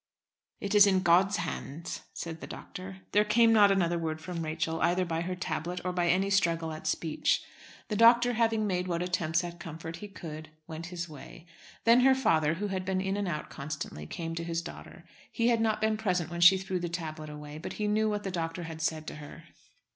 "It is in God's hands," said the doctor. There came not another word from Rachel, either by her tablet or by any struggle at speech. The doctor, having made what attempts at comfort he could, went his way. Then her father, who had been in and out constantly, came to his daughter. He had not been present when she threw the tablet away, but he knew what the doctor had said to her.